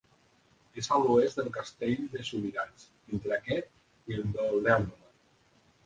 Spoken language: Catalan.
És a l'oest del castell de Subirats, entre aquest i el d'Olèrdola.